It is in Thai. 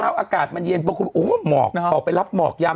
อากาศมันเย็นบางคนโอ้โหหมอกออกไปรับหมอกยาม